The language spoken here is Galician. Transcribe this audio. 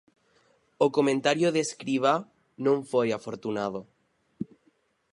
O comentario de Escribá non foi afortunado.